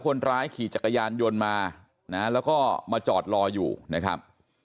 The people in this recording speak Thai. คนร้ายขี่จักรยานยนต์มานะแล้วก็มาจอดรออยู่นะครับ